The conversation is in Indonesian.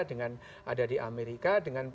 dengan ada di amerika dengan